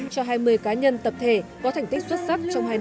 cho hai mươi cá nhân tập thể có thành tích xuất sắc trong hai năm phối hợp